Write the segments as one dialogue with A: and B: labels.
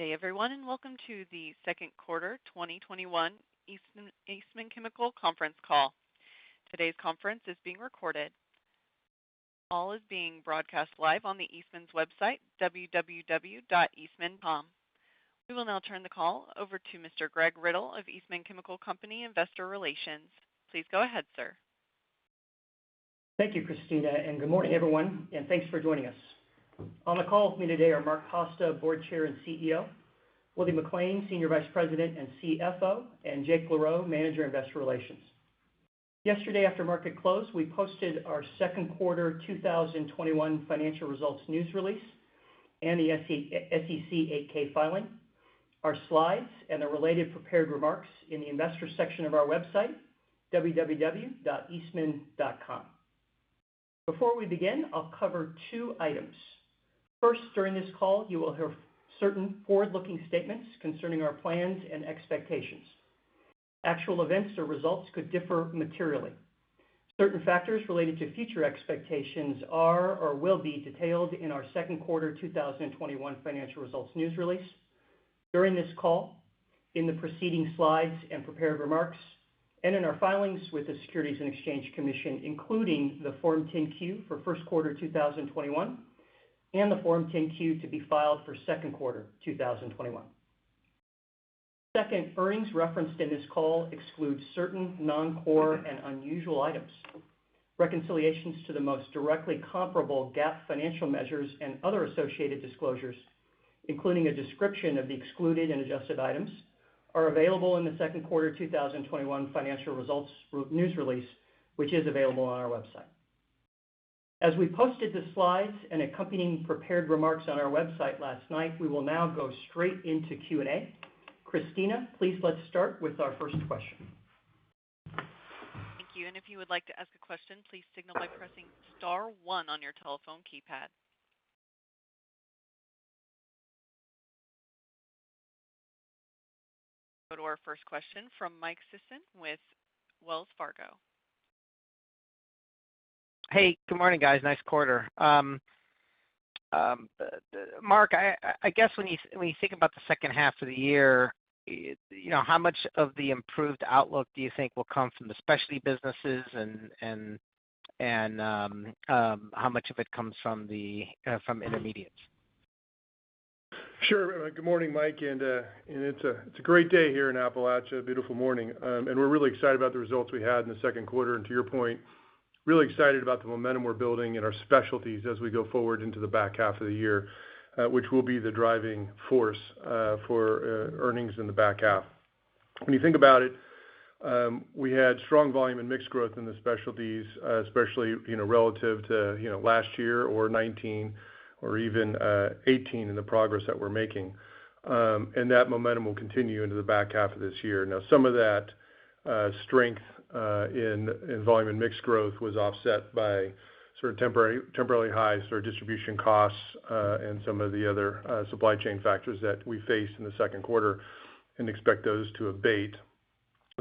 A: Good day, everyone. Welcome to the second quarter 2021 Eastman Chemical conference call. Today's conference is being recorded. The call is being broadcast live on the Eastman's website, www.eastman.com. We will now turn the call over to Mr. Greg Riddle of Eastman Chemical Company Investor Relations. Please go ahead, sir.
B: Thank you, Christina, and good morning, everyone, and thanks for joining us. On the call with me today are Mark Costa, Board Chair and CEO, William McLain, Senior Vice President and CFO, and Jake LaRoe, Manager, Investor Relations. Yesterday after market close, we posted our second quarter 2021 financial results news release and the SEC 8-K filing, our slides, and the related prepared remarks in the investor section of our website, www.eastman.com. Before we begin, I'll cover two items. First, during this call, you will hear certain forward-looking statements concerning our plans and expectations. Actual events or results could differ materially. Certain factors related to future expectations are or will be detailed in our second quarter 2021 financial results news release, during this call, in the proceeding slides and prepared remarks, and in our filings with the Securities and Exchange Commission, including the Form 10-Q for first quarter 2021 and the Form 10-Q to be filed for second quarter 2021. Second, earnings referenced in this call exclude certain non-core and unusual items. Reconciliations to the most directly comparable GAAP financial measures and other associated disclosures, including a description of the excluded and adjusted items, are available in the second quarter 2021 financial results news release, which is available on our website. As we posted the slides and accompanying prepared remarks on our website last night, we will now go straight into Q&A. Christina, please let's start with our first question.
A: Thank you. If you would like to ask a question, please signal by pressing star one on your telephone keypad. Go to our first question from Mike Sisson with Wells Fargo.
C: Hey, good morning, guys. Nice quarter. Mark, I guess when you think about the second half of the year, how much of the improved outlook do you think will come from the specialty businesses and how much of it comes from intermediates?
D: Sure. Good morning, Mike. It's a great day here in Appalachia, beautiful morning. We're really excited about the results we had in the second quarter. To your point, really excited about the momentum we're building in our specialties as we go forward into the back half of the year, which will be the driving force for earnings in the back half. When you think about it, we had strong volume and mixed growth in the specialties, especially relative to last year or 2019 or even 2018 in the progress that we're making. That momentum will continue into the back half of this year. Now, some of that strength in volume and mixed growth was offset by sort of temporarily high distribution costs, and some of the other supply chain factors that we faced in the second quarter and expect those to abate.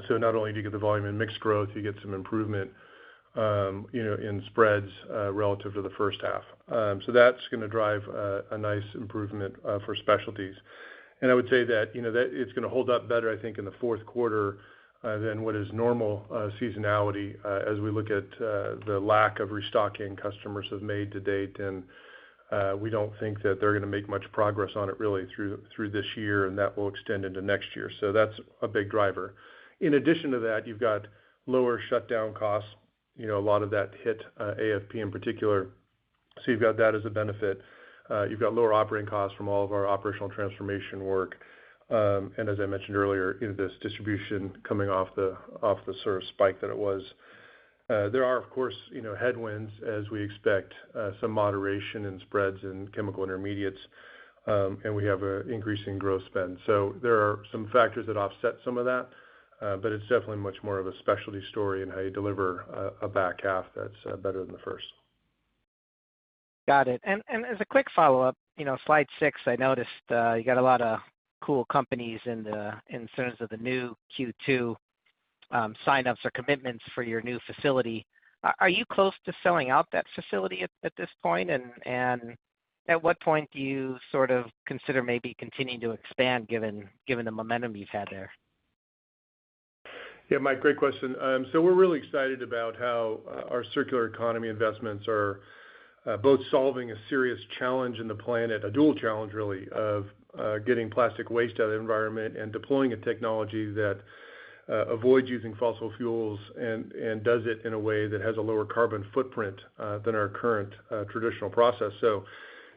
D: Not only do you get the volume in mixed growth, you get some improvement in spreads relative to the first half. That's going to drive a nice improvement for specialties. I would say that it's going to hold up better, I think, in the fourth quarter than what is normal seasonality as we look at the lack of restocking customers have made to date, and we don't think that they're going to make much progress on it really through this year, and that will extend into next year. That's a big driver. In addition to that, you've got lower shutdown costs. A lot of that hit AFP in particular. You've got that as a benefit. You've got lower operating costs from all of our operational transformation work. As I mentioned earlier, this distribution coming off the sort of spike that it was. There are, of course, headwinds as we expect some moderation in spreads in chemical intermediates. We have an increase in growth spend. There are some factors that offset some of that. It's definitely much more of a specialty story in how you deliver a back half that's better than the first.
C: Got it. As a quick follow-up, slide six, I noticed you got a lot of cool companies in terms of the new Q2 sign-ups or commitments for your new facility. Are you close to selling out that facility at this point? At what point do you sort of consider maybe continuing to expand given the momentum you've had there?
D: Yeah, Mike, great question. We're really excited about how our circular economy investments are both solving a serious challenge in the planet, a dual challenge really of getting plastic waste out of the environment and deploying a technology that avoids using fossil fuels and does it in a way that has a lower carbon footprint than our current traditional process.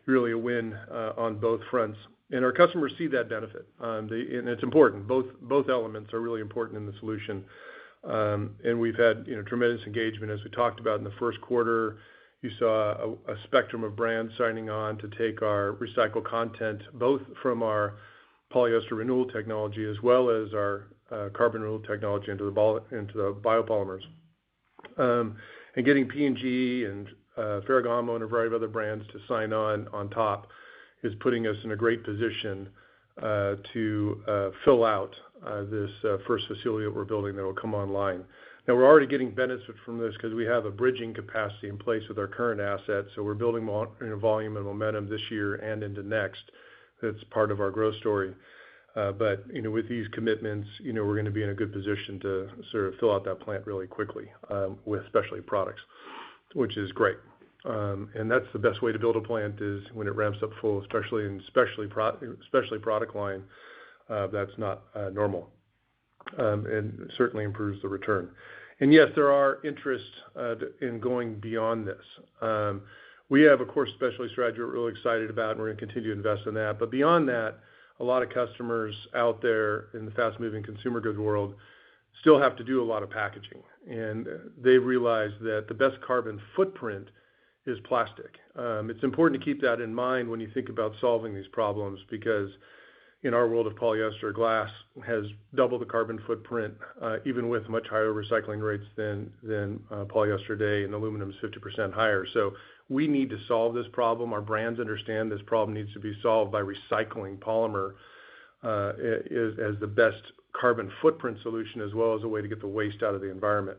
D: Really a win on both fronts. Our customers see that benefit. It's important. Both elements are really important in the solution. We've had tremendous engagement, as we talked about in the first quarter. You saw a spectrum of brands signing on to take our recycled content, both from our Polyester Renewal Technology as well as our Carbon Renewal Technology into the biopolymers. Getting P&G and Ferragamo and a variety of other brands to sign on top, is putting us in a great position to fill out this first facility that we're building that will come online. Now we're already getting benefit from this because we have a bridging capacity in place with our current assets. We're building volume and momentum this year and into next. That's part of our growth story. With these commitments, we're going to be in a good position to sort of fill out that plant really quickly with specialty products, which is great. That's the best way to build a plant is when it ramps up full, especially in specialty product line, that's not normal, and certainly improves the return. Yes, there are interests in going beyond this. We have, of course, specialty strategy we're really excited about, and we're going to continue to invest in that. Beyond that, a lot of customers out there in the fast-moving consumer goods world still have to do a lot of packaging. They've realized that the best carbon footprint is plastic. It's important to keep that in mind when you think about solving these problems, because in our world of polyester, glass has double the carbon footprint, even with much higher recycling rates than polyester today, and aluminum is 50% higher. We need to solve this problem. Our brands understand this problem needs to be solved by recycling polymer as the best carbon footprint solution as well as a way to get the waste out of the environment.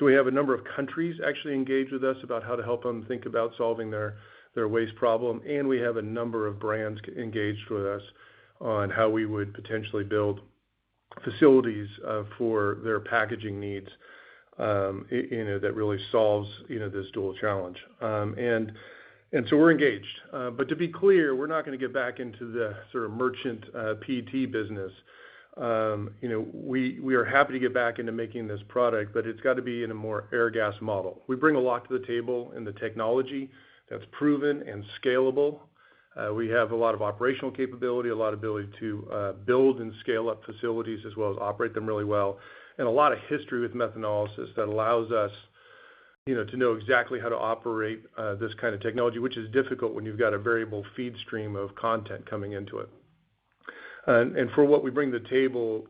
D: We have a number of countries actually engaged with us about how to help them think about solving their waste problem, and we have a number of brands engaged with us on how we would potentially build facilities for their packaging needs that really solves this dual challenge. We're engaged. To be clear, we're not going to get back into the merchant PET business. We are happy to get back into making this product, but it's got to be in a more Airgas model. We bring a lot to the table in the technology that's proven and scalable. We have a lot of operational capability, a lot of ability to build and scale up facilities as well as operate them really well. A lot of history with methanolysis that allows us to know exactly how to operate this kind of technology, which is difficult when you've got a variable feed stream of content coming into it. For what we bring to the table,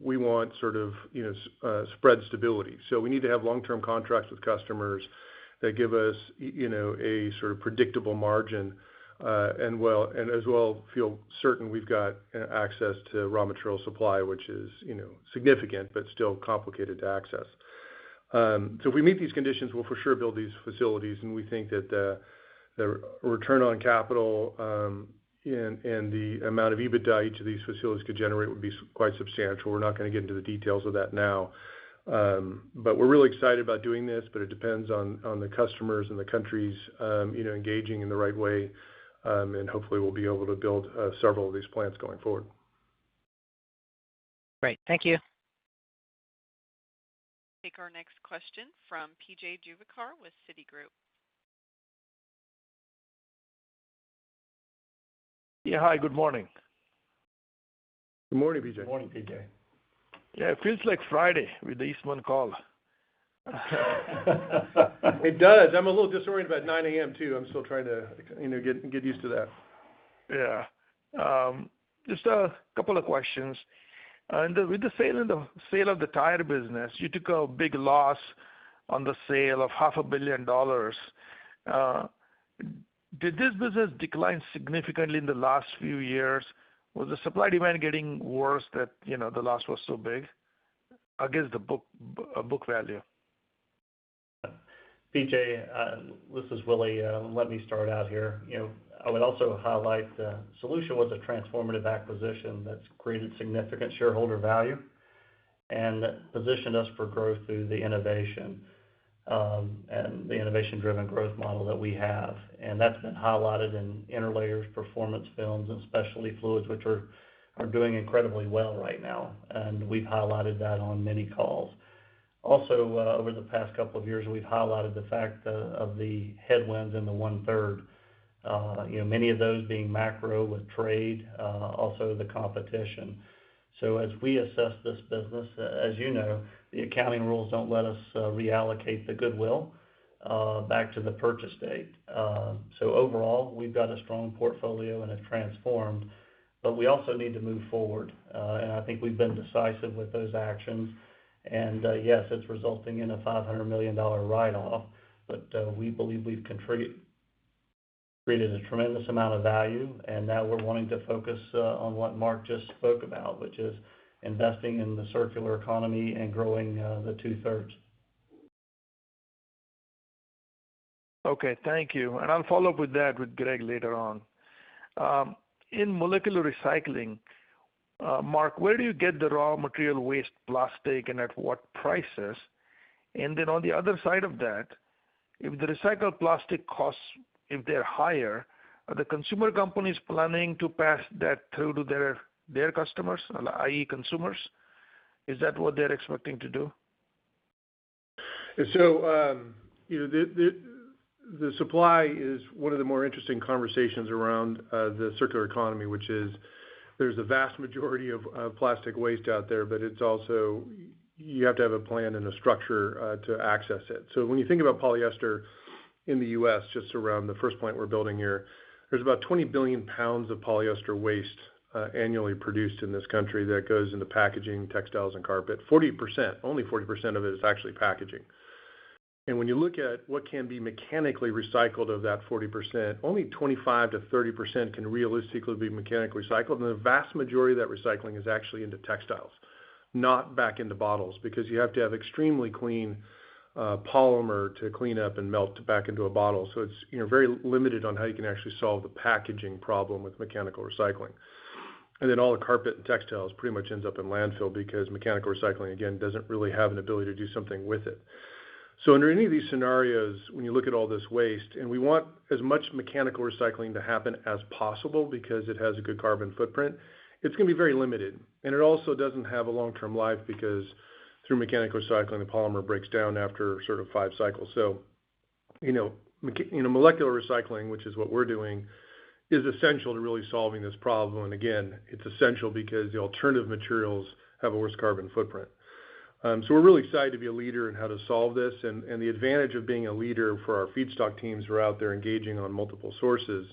D: we want spread stability. We need to have long-term contracts with customers that give us a predictable margin, and as well feel certain we've got access to raw material supply, which is significant, but still complicated to access. If we meet these conditions, we'll for sure build these facilities, and we think that the return on capital and the amount of EBITDA each of these facilities could generate would be quite substantial. We're not going to get into the details of that now. We're really excited about doing this, but it depends on the customers and the countries engaging in the right way, and hopefully we'll be able to build several of these plants going forward.
C: Great. Thank you.
A: Take our next question from P.J. Juvekar with Citigroup.
E: Yeah. Hi, good morning.
D: Good morning, PJ.
F: Good morning, PJ.
E: Yeah, it feels like Friday with the Eastman call.
D: It does. I'm a little disoriented about 9:00 A.M. too. I'm still trying to get used to that.
E: Yeah. Just a couple of questions. With the sale of the tire business, you took a big loss on the sale of half a billion dollars. Did this business decline significantly in the last few years? Was the supply demand getting worse that the loss was so big against the book value?
F: PJ, this is Willie. Let me start out here. I would also highlight the Solutia was a transformative acquisition that's created significant shareholder value and that positioned us for growth through the innovation and the innovation-driven growth model that we have. That's been highlighted in interlayers, performance films, and specialty fluids, which are doing incredibly well right now. We've highlighted that on many calls. Over the past couple of years, we've highlighted the fact of the headwinds in the 1/3. Many of those being macro with trade, also the competition. As we assess this business, as you know, the accounting rules don't let us reallocate the goodwill back to the purchase date. Overall, we've got a strong portfolio, and it's transformed, but we also need to move forward. I think we've been decisive with those actions. Yes, it's resulting in a $500 million write-off, but we believe we've contributed a tremendous amount of value, and now we're wanting to focus on what Mark just spoke about, which is investing in the circular economy and growing the 2/3.
E: Okay. Thank you. I'll follow up with that with Greg later on. In molecular recycling, Mark, where do you get the raw material waste plastic and at what prices? On the other side of that, if the recycled plastic costs, if they're higher, are the consumer companies planning to pass that through to their customers, i.e., consumers? Is that what they're expecting to do?
D: The supply is one of the more interesting conversations around the circular economy, which is there's the vast majority of plastic waste out there, but you have to have a plan and a structure to access it. When you think about polyester in the U.S., just around the first plant we're building here, there's about 20 billion pounds of polyester waste annually produced in this country that goes into packaging, textiles, and carpet. 40%, only 40% of it is actually packaging. When you look at what can be mechanically recycled of that 40%, only 25%-30% can realistically be mechanically recycled. The vast majority of that recycling is actually into textiles, not back into bottles, because you have to have extremely clean polymer to clean up and melt back into a bottle. It's very limited on how you can actually solve the packaging problem with mechanical recycling. Then all the carpet and textiles pretty much ends up in landfill because mechanical recycling, again, doesn't really have an ability to do something with it. Under any of these scenarios, when you look at all this waste, and we want as much mechanical recycling to happen as possible because it has a good carbon footprint, it's going to be very limited. It also doesn't have a long-term life because through mechanical recycling, the polymer breaks down after sort of five cycles. Molecular recycling, which is what we're doing, is essential to really solving this problem. Again, it's essential because the alternative materials have a worse carbon footprint. We're really excited to be a leader in how to solve this. The advantage of being a leader for our feedstock teams who are out there engaging on multiple sources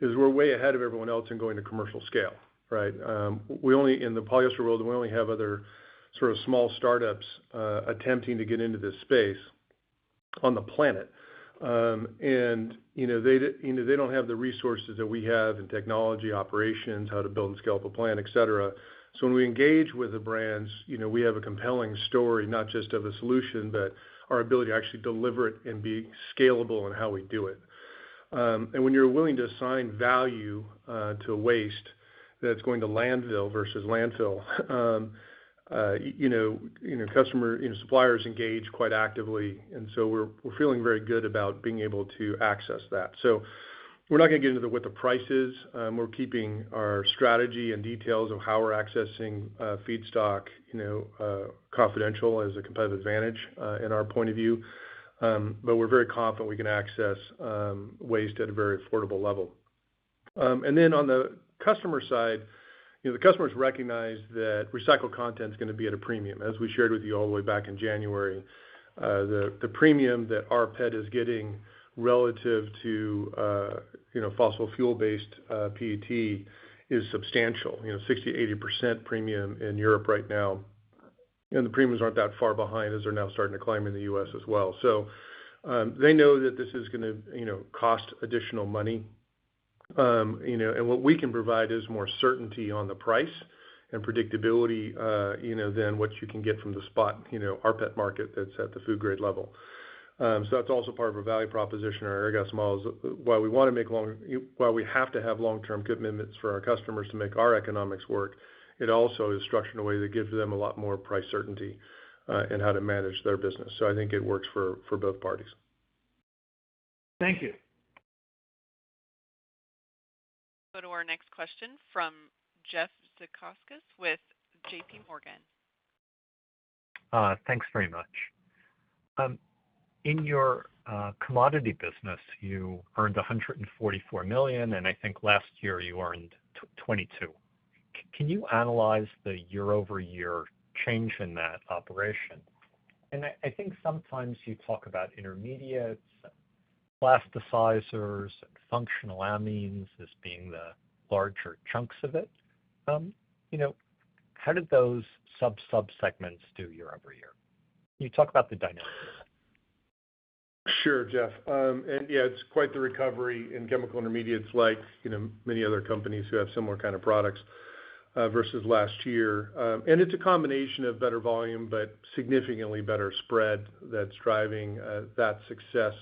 D: is we're way ahead of everyone else in going to commercial scale, right? In the polyester world, we only have other sort of small startups attempting to get into this space on the planet. They don't have the resources that we have in technology, operations, how to build and scale up a plant, et cetera. When we engage with the brands, we have a compelling story, not just of the solution, but our ability to actually deliver it and be scalable in how we do it. When you're willing to assign value to waste that's going to landfill versus landfill, suppliers engage quite actively, we're feeling very good about being able to access that. We're not going to get into what the price is. We're keeping our strategy and details of how we're accessing feedstock confidential as a competitive advantage in our point of view. We're very confident we can access waste at a very affordable level. On the customer side, the customers recognize that recycled content is going to be at a premium. As we shared with you all the way back in January, the premium that rPET is getting relative to fossil fuel-based PET is substantial, 60%, 80% premium in Europe right now. The premiums aren't that far behind, as they're now starting to climb in the U.S. as well. They know that this is going to cost additional money. What we can provide is more certainty on the price and predictability, than what you can get from the spot rPET market that's at the food grade level. That's also part of our value proposition at Airgas model, while we have to have long-term commitments from our customers to make our economics work, it also is structured in a way that gives them a lot more price certainty in how to manage their business. I think it works for both parties.
E: Thank you.
A: Go to our next question from Jeff Zekauskas with JPMorgan.
G: Thanks very much. In your commodity business, you earned $144 million. I think last year you earned $22 million. Can you analyze the year-over-year change in that operation? I think sometimes you talk about intermediates, plasticizers, and functional amines as being the larger chunks of it. How did those sub-subsegments do year-over-year? Can you talk about the dynamics?
D: Sure, Jeff. Yeah, it's quite the recovery in chemical intermediates like many other companies who have similar kind of products versus last year. It's a combination of better volume, but significantly better spread that's driving that success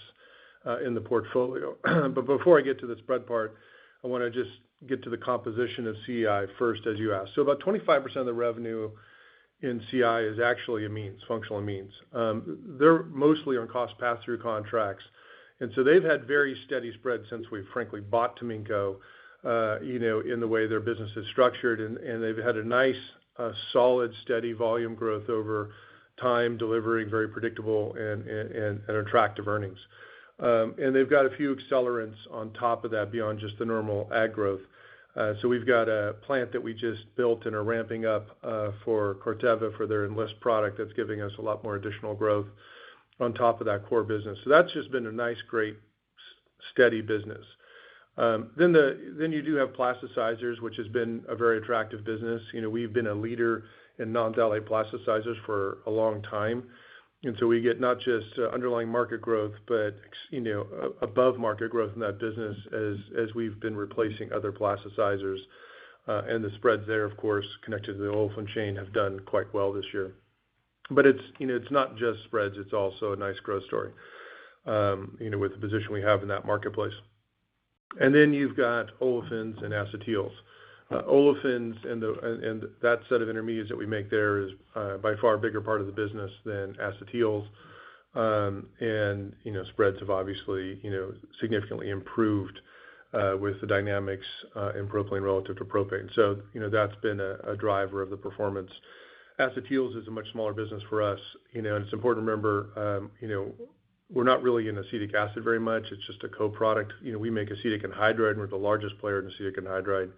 D: in the portfolio. Before I get to the spread part, I want to just get to the composition of CI first, as you asked. About 25% of the revenue in CI is actually amines, functional amines. They're mostly on cost pass-through contracts, and so they've had very steady spread since we frankly bought Taminco in the way their business is structured, and they've had a nice, solid, steady volume growth over time, delivering very predictable and attractive earnings. They've got a few accelerants on top of that beyond just the normal ag growth. We've got a plant that we just built and are ramping up for Corteva for their Enlist product that's giving us a lot more additional growth on top of that core business. That's just been a nice, great, steady business. You do have plasticizers, which has been a very attractive business. We've been a leader in non-phthalate plasticizers for a long time. We get not just underlying market growth, but above market growth in that business as we've been replacing other plasticizers. The spreads there, of course, connected to the olefin chain, have done quite well this year. It's not just spreads, it's also a nice growth story with the position we have in that marketplace. You've got olefins and acetyls. Olefins and that set of intermediates that we make there is by far a bigger part of the business than acetyls. Spreads have obviously significantly improved with the dynamics in propylene relative to propane. That's been a driver of the performance. Acetyls is a much smaller business for us. It's important to remember we're not really in acetic acid very much. It's just a co-product. We make acetic anhydride, and we're the largest player in acetic anhydride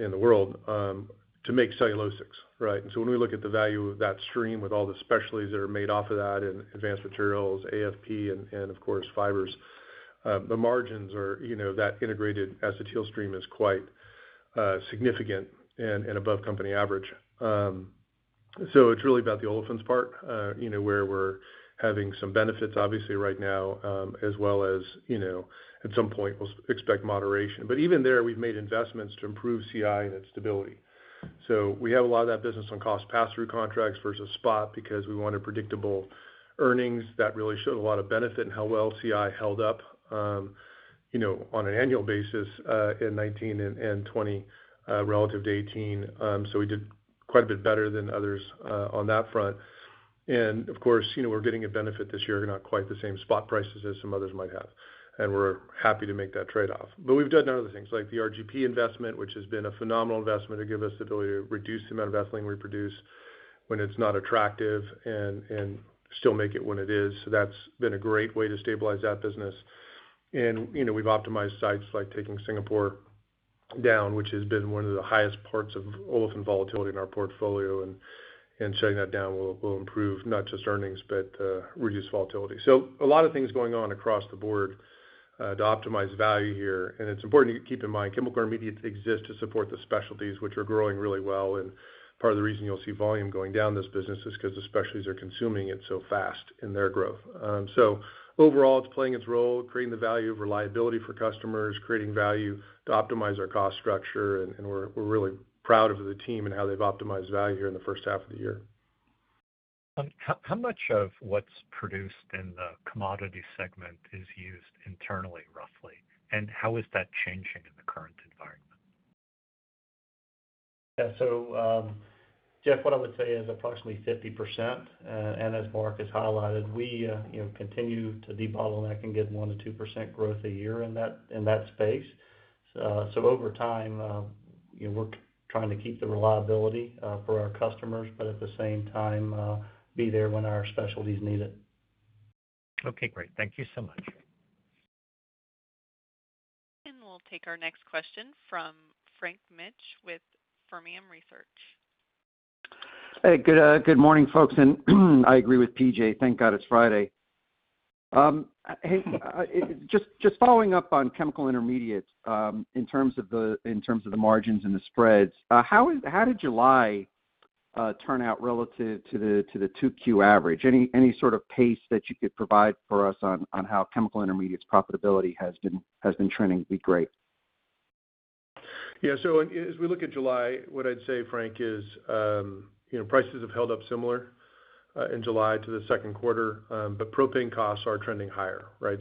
D: in the world to make cellulosics. Right? When we look at the value of that stream with all the specialties that are made off of that in advanced materials, AFP, and of course fibers, that integrated acetyl stream is quite significant and above company average. It's really about the olefins part where we're having some benefits obviously right now, as well as at some point we'll expect moderation. Even there, we've made investments to improve CI and its stability. We have a lot of that business on cost pass-through contracts versus spot because we wanted predictable earnings that really showed a lot of benefit in how well CI held up on an annual basis in 2019 and 2020 relative to 2018. We did quite a bit better than others on that front. Of course, we're getting a benefit this year of not quite the same spot prices as some others might have, and we're happy to make that trade-off. We've done other things like the RGP investment, which has been a phenomenal investment to give us the ability to reduce the amount of ethylene we produce when it's not attractive and still make it when it is. That's been a great way to stabilize that business. We've optimized sites like taking Singapore down, which has been one of the highest parts of olefin volatility in our portfolio, and shutting that down will improve not just earnings, but reduce volatility. A lot of things going on across the board to optimize value here. It's important you keep in mind chemical intermediates exist to support the specialties which are growing really well and part of the reason you'll see volume going down this business is because the specialties are consuming it so fast in their growth. Overall it's playing its role creating the value of reliability for customers, creating value to optimize our cost structure, and we're really proud of the team and how they've optimized value here in the first half of the year.
G: How much of what's produced in the commodity segment is used internally, roughly? How is that changing in the current environment?
F: Yeah. Jeff, what I would say is approximately 50%. As Mark has highlighted, we continue to debottleneck and get 1%-2% growth a year in that space. Over time we're trying to keep the reliability for our customers, but at the same time, be there when our specialties need it.
G: Okay, great. Thank you so much.
A: We'll take our next question from Frank Mitsch with Fermium Research.
H: Hey, good morning, folks. I agree with PJ, thank God it's Friday. Just following up on chemical intermediates in terms of the margins and the spreads. How did July turn out relative to the 2Q average? Any sort of pace that you could provide for us on how chemical intermediates profitability has been trending would be great.
D: As we look at July, what I'd say, Frank, is prices have held up similar in July to the second quarter. Propane costs are trending higher. Right?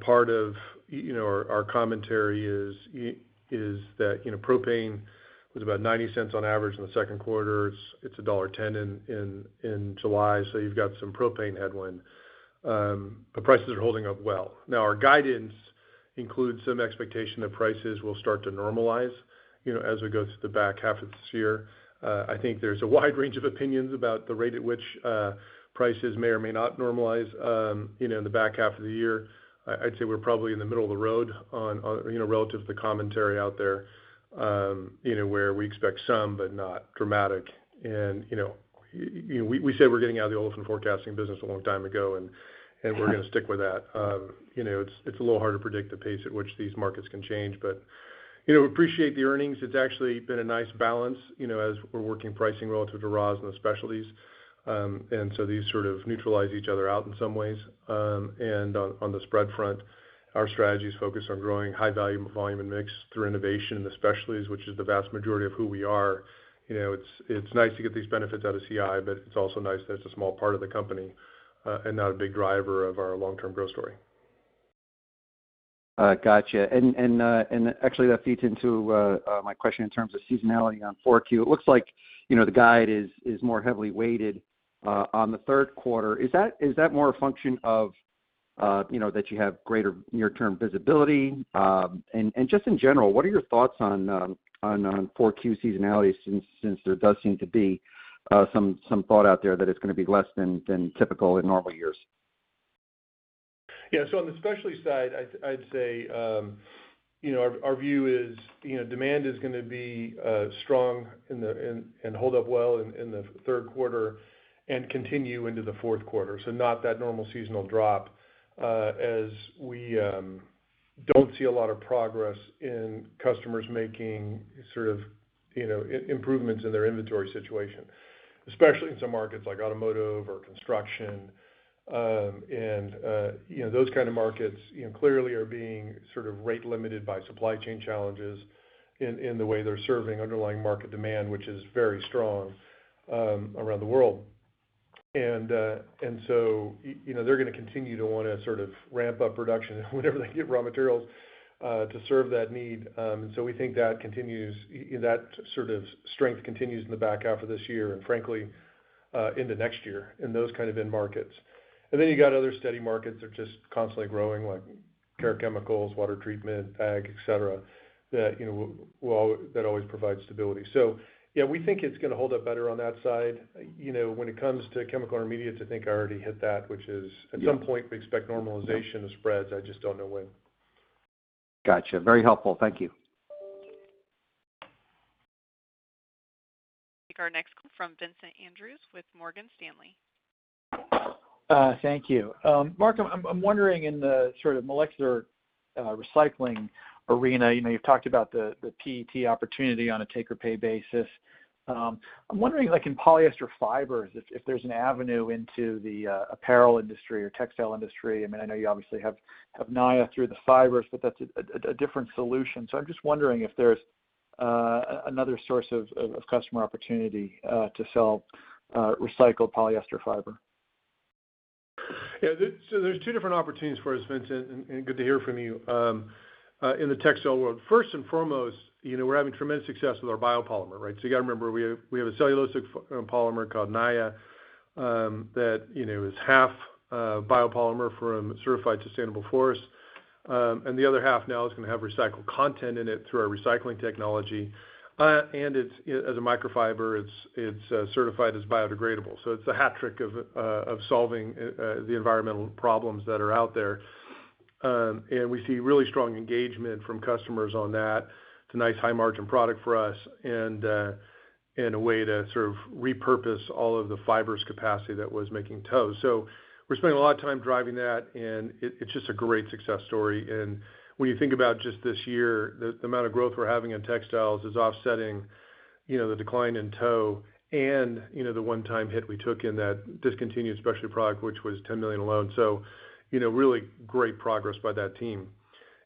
D: Part of our commentary is that propane was about $0.90 on average in the second quarter. It's $1.10 in July, you've got some propane headwind. Prices are holding up well. Now our guidance includes some expectation that prices will start to normalize as we go through the back half of this year. I think there's a wide range of opinions about the rate at which prices may or may not normalize in the back half of the year. I'd say we're probably in the middle of the road relative to the commentary out there where we expect some, but not dramatic. We said we're getting out of the olefin forecasting business a long time ago, and we're going to stick with that. It's a little hard to predict the pace at which these markets can change, but we appreciate the earnings. It's actually been a nice balance as we're working pricing relative to raws and the specialties. These sort of neutralize each other out in some ways. On the spread front, our strategy is focused on growing high volume and mix through innovation in the specialties, which is the vast majority of who we are. It's nice to get these benefits out of CI, but it's also nice that it's a small part of the company, and not a big driver of our long-term growth story.
H: Got you. Actually that feeds into my question in terms of seasonality on 4Q. It looks like the guide is more heavily weighted on the third quarter. Is that more a function of that you have greater near term visibility? Just in general, what are your thoughts on 4Q seasonality since there does seem to be some thought out there that it's going to be less than typical in normal years?
D: Yeah. On the specialty side, I'd say our view is demand is going to be strong and hold up well in the third quarter and continue into the fourth quarter. Not that normal seasonal drop as we don't see a lot of progress in customers making sort of improvements in their inventory situation, especially in some markets like automotive or construction. Those kind of markets clearly are being sort of rate limited by supply chain challenges in the way they're serving underlying market demand, which is very strong around the world. They're going to continue to want to sort of ramp up production whenever they get raw materials to serve that need. We think that sort of strength continues in the back half of this year and frankly, into next year in those kind of end markets. Then you've got other steady markets that are just constantly growing, like care chemicals, water treatment, ag, et cetera, that always provide stability. Yeah, we think it's going to hold up better on that side. When it comes to chemical intermediates, I think I already hit that, which is at some point we expect normalization of spreads. I just don't know when.
H: Got you. Very helpful. Thank you.
A: Our next call from Vincent Andrews with Morgan Stanley.
I: Thank you. Mark, I'm wondering in the molecular recycling arena, you've talked about the PET opportunity on a take-or-pay basis. I'm wondering, like in polyester fibers, if there's an avenue into the apparel industry or textile industry. I know you obviously have Naia through the fibers, but that's a different solution. I'm just wondering if there's another source of customer opportunity to sell recycled polyester fiber?
D: Yeah. There's two different opportunities for us, Vincent, and good to hear from you, in the textile world. First and foremost, we're having tremendous success with our biopolymer. You got to remember, we have a cellulosic polymer called Naia, that is half biopolymer from certified sustainable forests. The other half now is going to have recycled content in it through our recycling technology. As a microfiber, it's certified as biodegradable. It's a hat trick of solving the environmental problems that are out there. We see really strong engagement from customers on that. It's a nice high-margin product for us and a way to sort of repurpose all of the fibers capacity that was making tow. We're spending a lot of time driving that, and it's just a great success story. When you think about just this year, the amount of growth we're having in textiles is offsetting the decline in tow and the one-time hit we took in that discontinued specialty product, which was $10 million alone. Really great progress by that team.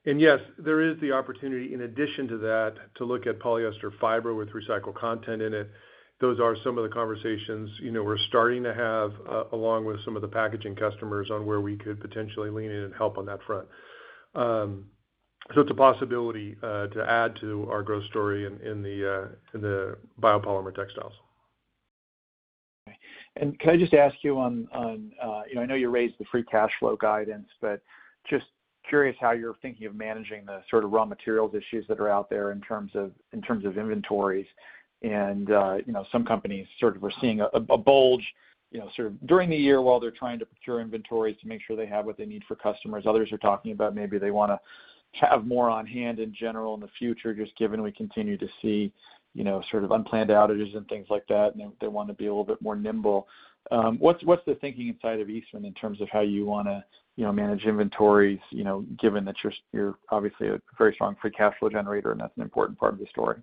D: Yes, there is the opportunity in addition to that, to look at polyester fiber with recycled content in it. Those are some of the conversations we're starting to have, along with some of the packaging customers on where we could potentially lean in and help on that front. It's a possibility to add to our growth story in the biopolymer textiles.
I: Okay. Could I just ask you, I know you raised the free cash flow guidance, but just curious how you're thinking of managing the sort of raw materials issues that are out there in terms of inventories and some companies sort of were seeing a bulge sort of during the year while they're trying to procure inventories to make sure they have what they need for customers. Others are talking about maybe they want to have more on hand in general in the future, just given we continue to see sort of unplanned outages and things like that, and they want to be a little bit more nimble. What's the thinking inside of Eastman in terms of how you want to manage inventories, given that you're obviously a very strong free cash flow generator, and that's an important part of the story?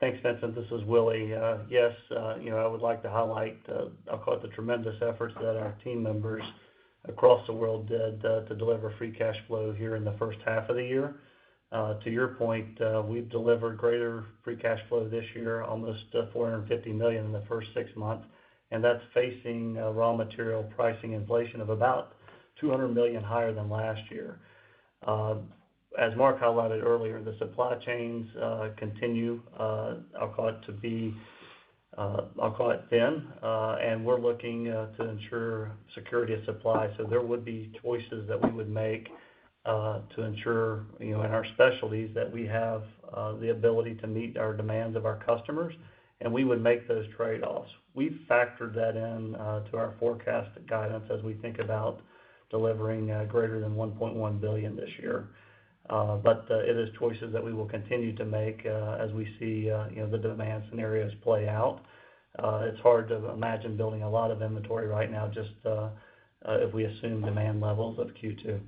F: Thanks, Vincent. This is Willie. I would like to highlight, I'll call it the tremendous efforts that our team members across the world did to deliver free cash flow here in the first half of the year. To your point, we've delivered greater free cash flow this year, almost $450 million in the first six months. That's facing raw material pricing inflation of about $200 million higher than last year. As Mark highlighted earlier, the supply chains continue, I'll call it thin. We're looking to ensure security of supply. There would be choices that we would make to ensure in our specialties that we have the ability to meet our demands of our customers. We would make those trade-offs. We've factored that into our forecasted guidance as we think about delivering greater than $1.1 billion this year. It is choices that we will continue to make as we see the demand scenarios play out. It's hard to imagine building a lot of inventory right now just if we assume demand levels of Q2.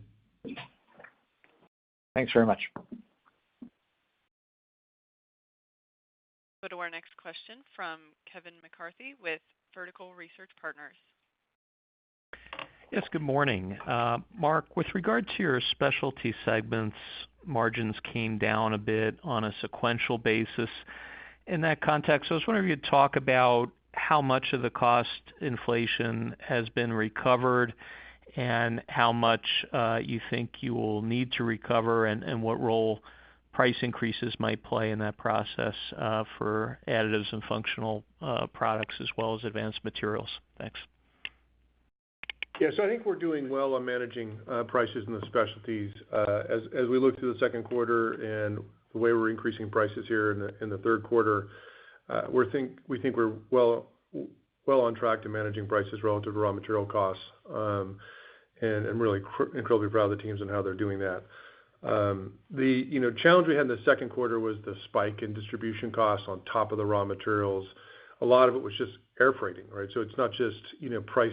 I: Thanks very much.
A: Go to our next question from Kevin McCarthy with Vertical Research Partners.
J: Yes, good morning. Mark, with regard to your specialty segments, margins came down a bit on a sequential basis. In that context, I was wondering if you'd talk about how much of the cost inflation has been recovered and how much you think you will need to recover and what role price increases might play in that process for additives and functional products as well as advanced materials? Thanks.
D: I think we're doing well on managing prices in the specialties. As we look to the second quarter and the way we're increasing prices here in the third quarter, we think we're well on track to managing prices relative to raw material costs. I'm really incredibly proud of the teams and how they're doing that. The challenge we had in the second quarter was the spike in distribution costs on top of the raw materials. A lot of it was just air freighting. It's not just price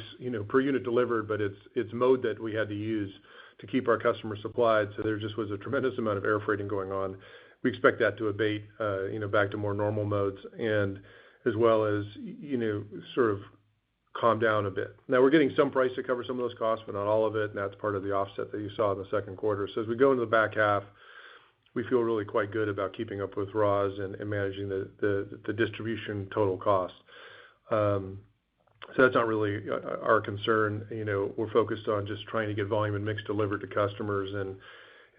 D: per unit delivered, but it's mode that we had to use to keep our customers supplied. There just was a tremendous amount of air freighting going on. We expect that to abate back to more normal modes and as well as sort of calm down a bit. Now we're getting some price to cover some of those costs, but not all of it, and that's part of the offset that you saw in the second quarter. As we go into the back half, we feel really quite good about keeping up with raws and managing the distribution total cost. That's not really our concern. We're focused on just trying to get volume and mix delivered to customers, and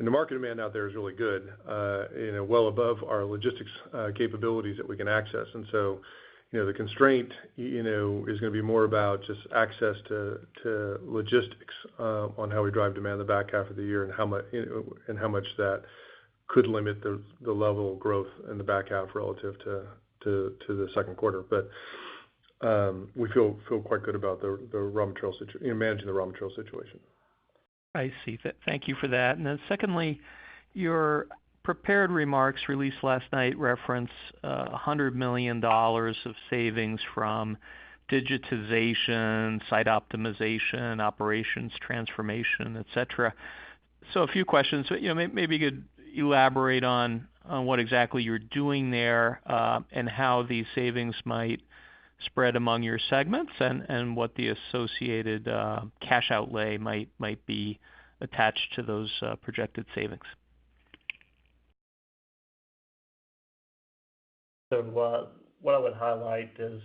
D: the market demand out there is really good. Well above our logistics capabilities that we can access. The constraint is going to be more about just access to logistics on how we drive demand in the back half of the year and how much that could limit the level of growth in the back half relative to the second quarter. We feel quite good about managing the raw material situation.
J: I see. Thank you for that. Secondly, your prepared remarks released last night reference $100 million of savings from digitization, site optimization, operations transformation, et cetera. A few questions. Maybe you could elaborate on what exactly you're doing there, and how these savings might spread among your segments, and what the associated cash outlay might be attached to those projected savings?
F: What I would highlight is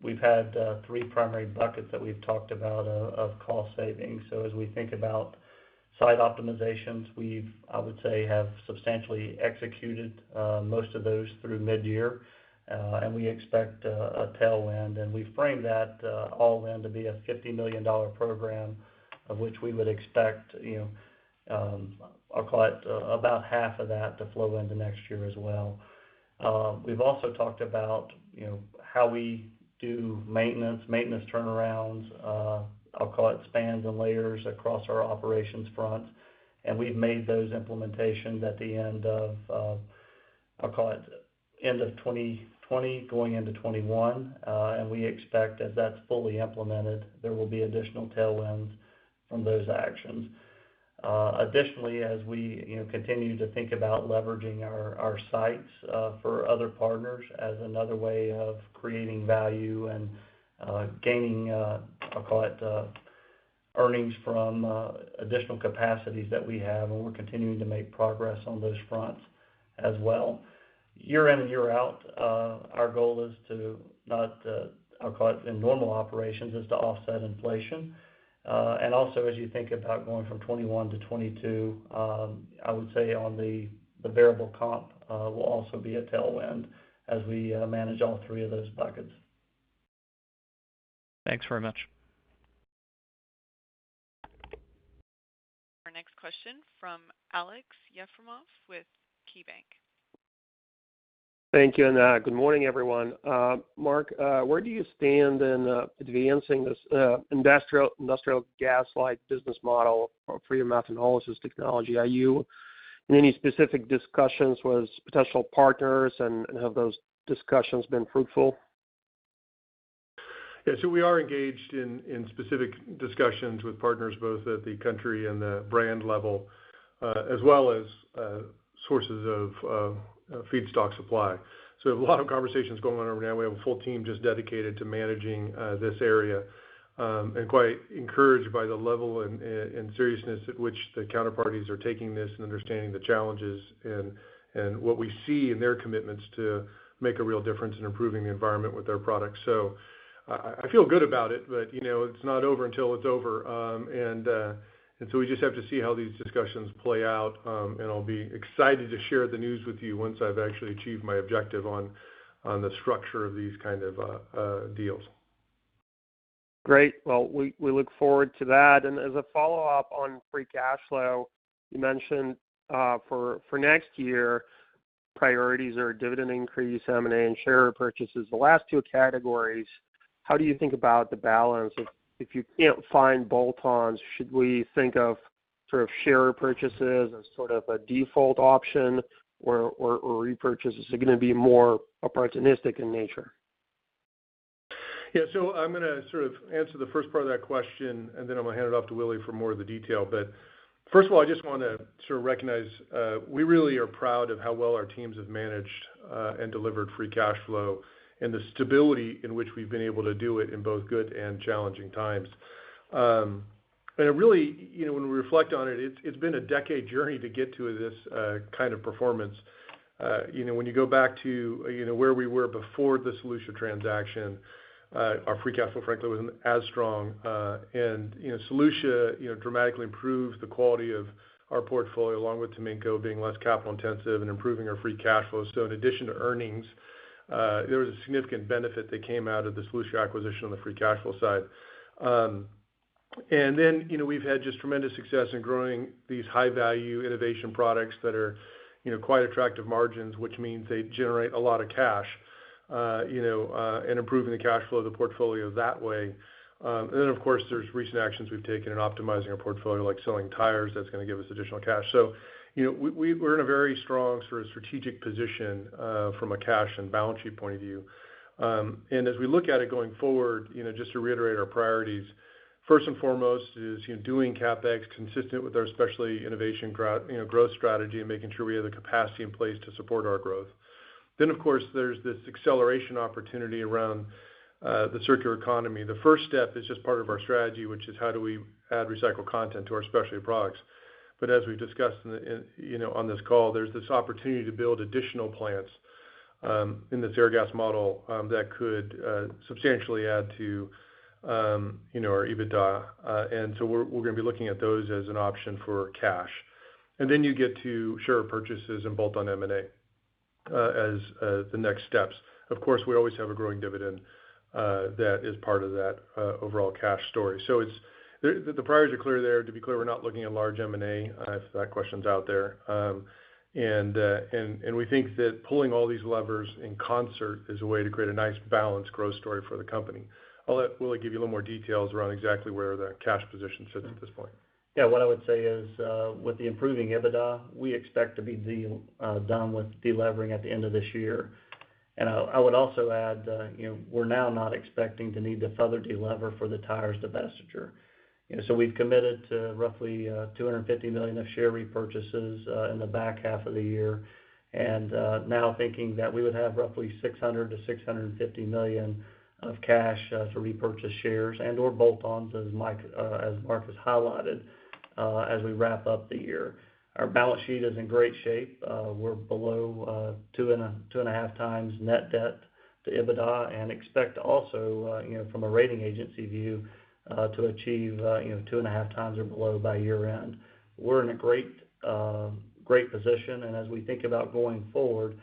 F: we've had three primary buckets that we've talked about of cost savings. As we think about site optimizations, we've, I would say, substantially executed most of those through mid-year. We expect a tailwind. We frame that all in to be a $50 million program, of which we would expect, I'll call it about half of that to flow into next year as well. We've also talked about how we do maintenance turnarounds, I'll call it spans and layers across our operations front. We've made those implementations at the end of, I'll call it end of 2020 going into 2021. We expect as that's fully implemented, there will be additional tailwinds from those actions. Additionally, as we continue to think about leveraging our sites for other partners as another way of creating value and gaining, I'll call it earnings from additional capacities that we have, we're continuing to make progress on those fronts as well. Year in and year out, our goal is to not, I'll call it in normal operations, is to offset inflation. Also as you think about going from 2021-2022, I would say on the variable comp, will also be a tailwind as we manage all three of those buckets.
J: Thanks very much.
A: Our next question from Aleksey Yefremov with KeyBanc.
K: Thank you, and good morning, everyone. Mark, where do you stand in advancing this industrial gas like business model for your methanolysis technology? Are you in any specific discussions with potential partners, and have those discussions been fruitful?
D: Yeah. We are engaged in specific discussions with partners, both at the country and the brand level, as well as sources of feedstock supply. A lot of conversations going on right now. We have a full team just dedicated to managing this area, and quite encouraged by the level and seriousness at which the counterparties are taking this and understanding the challenges and what we see in their commitments to make a real difference in improving the environment with their products. I feel good about it, but it's not over until it's over. We just have to see how these discussions play out, and I'll be excited to share the news with you once I've actually achieved my objective on the structure of these kind of deals.
K: Great. Well, we look forward to that. As a follow-up on free cash flow, you mentioned for next year, priorities are dividend increase, M&A, and share repurchases. The last two categories, how do you think about the balance? If you can't find bolt-ons, should we think of sort of share repurchases as sort of a default option or repurchases are going to be more opportunistic in nature?
D: I'm going to sort of answer the first part of that question, and then I'm going to hand it off to Willie for more of the detail. First of all, I just want to sort of recognize, we really are proud of how well our teams have managed and delivered free cash flow and the stability in which we've been able to do it in both good and challenging times. It really, when we reflect on it's been a decade journey to get to this kind of performance. When you go back to where we were before the Solutia transaction, our free cash flow frankly wasn't as strong. Solutia dramatically improved the quality of our portfolio, along with Taminco being less capital-intensive and improving our free cash flow. In addition to earnings, there was a significant benefit that came out of the Solutia acquisition on the free cash flow side. We've had just tremendous success in growing these high-value innovation products that are quite attractive margins, which means they generate a lot of cash, and improving the cash flow of the portfolio that way. Of course, there's recent actions we've taken in optimizing our portfolio, like selling tires, that's going to give us additional cash. We're in a very strong sort of strategic position from a cash and balance sheet point of view. As we look at it going forward, just to reiterate our priorities, first and foremost is doing CapEx consistent with our specialty innovation growth strategy, and making sure we have the capacity in place to support our growth. Of course, there's this acceleration opportunity around the circular economy. The first step is just part of our strategy, which is how do we add recycled content to our specialty products. As we've discussed on this call, there's this opportunity to build additional plants in this Airgas model that could substantially add to our EBITDA. We're going to be looking at those as an option for cash. You get to share repurchases and bolt-on M&A. As the next steps. Of course, we always have a growing dividend that is part of that overall cash story. The priors are clear there. To be clear, we're not looking at large M&A, if that question's out there. We think that pulling all these levers in concert is a way to create a nice balanced growth story for the company. I'll let Willie give you a little more details around exactly where the cash position sits at this point.
F: What I would say is, with the improving EBITDA, we expect to be done with de-levering at the end of this year. I would also add, we're now not expecting to need to further de-lever for the tires divestiture. We've committed to roughly $250 million of share repurchases in the back half of the year, now thinking that we would have roughly $600 million-$650 million of cash to repurchase shares and/or bolt-ons, as Mark has highlighted, as we wrap up the year. Our balance sheet is in great shape. We're below 2.5x net debt to EBITDA and expect also, from a rating agency view, to achieve 2.5x or below by year-end. We're in a great position. As we think about going forward,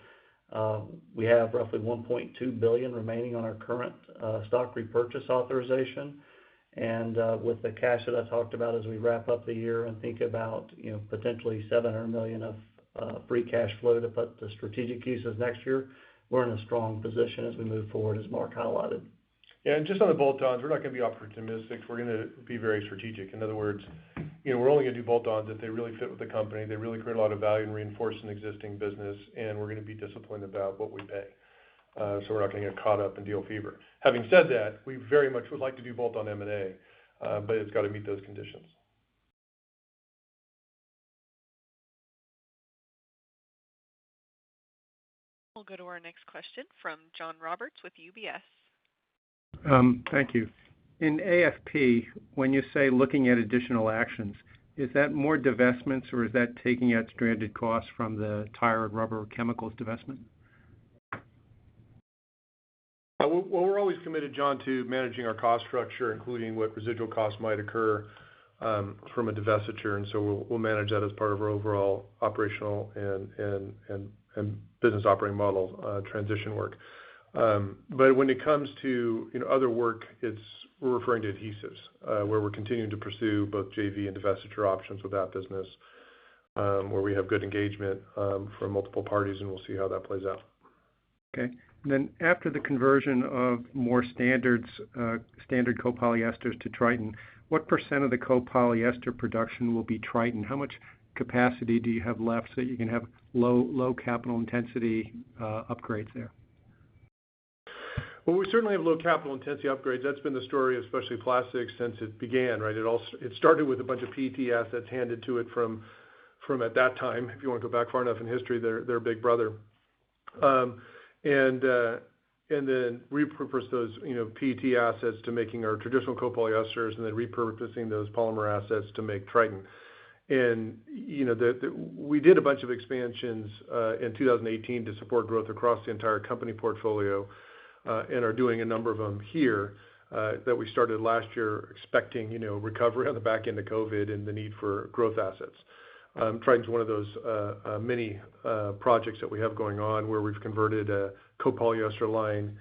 F: we have roughly $1.2 billion remaining on our current stock repurchase authorization. With the cash that I talked about as we wrap up the year and think about potentially $700 million of free cash flow to put to strategic uses next year, we're in a strong position as we move forward, as Mark highlighted.
D: Yeah. Just on the bolt-ons, we're not going to be opportunistic. We're going to be very strategic. In other words, we're only going to do bolt-ons if they really fit with the company, they really create a lot of value and reinforce an existing business, and we're going to be disciplined about what we pay. We're not going to get caught up in deal fever. Having said that, we very much would like to do bolt-on M&A, but it's got to meet those conditions.
A: We'll go to our next question from John Roberts with UBS.
L: Thank you. In AFP, when you say looking at additional actions, is that more divestments or is that taking out stranded costs from the tire, rubber, chemicals divestment?
D: Well, we're always committed, John, to managing our cost structure, including what residual costs might occur from a divestiture. We'll manage that as part of our overall operational and business operating model transition work. When it comes to other work, we're referring to adhesives where we're continuing to pursue both JV and divestiture options with that business, where we have good engagement from multiple parties, and we'll see how that plays out.
L: Okay. After the conversion of more standard copolyesters to Tritan, what percent of the copolyester production will be Tritan? How much capacity do you have left so that you can have low capital intensity upgrades there?
D: Well, we certainly have low capital intensity upgrades. That's been the story, especially Plastics since it began, right? It started with a bunch of PET assets handed to it from, at that time, if you want to go back far enough in history, their big brother. Then repurposed those PET assets to making our traditional copolyesters and then repurposing those polymer assets to make Tritan. We did a bunch of expansions in 2018 to support growth across the entire company portfolio, and are doing a number of them here that we started last year expecting recovery on the back end of COVID and the need for growth assets. Tritan's one of those many projects that we have going on where we've converted a copolyester line